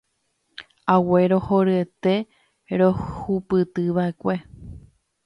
Aguerohoryete rehupytyva'ekue.